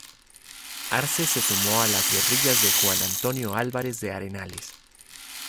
Arze se sumó a las guerrillas de Juan Antonio Álvarez de Arenales.